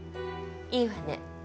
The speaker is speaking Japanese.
いいわね。